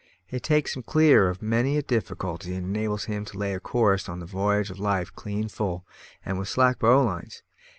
It takes him clear of many a difficulty, and enables him to lay his course on the v'yage of life clean full, and with slack bowlines.